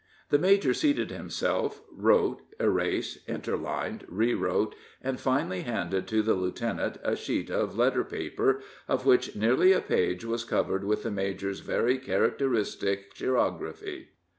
The major seated himself, wrote, erased, interlined, rewrote, and finally handed to the lieutenant a sheet of letter paper, of which nearly a page was covered with the major's very characteristic chirography.